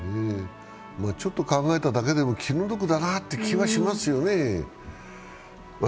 ちょっと考えただけでも、気の毒だなという気がしますね。